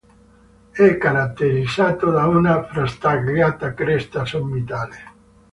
È caratterizzato da una frastagliata cresta sommitale.